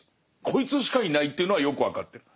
こいつしかいないっていうのはよく分かってる。